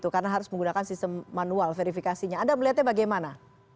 karena harus menggunakan sistem manual verifikasinya anda melihatnya bagaimana